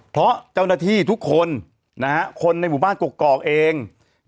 เพราะเจ้าหน้าที่ทุกคนคนในหมู่บ้านกกอกเอง